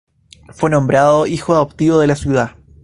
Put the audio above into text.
Fue nombrado hijo adoptivo de la ciudad.